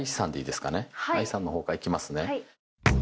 愛さんの方からいきますね。